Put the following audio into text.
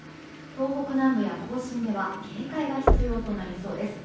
東北南部や甲信では警戒が必要となりそうです。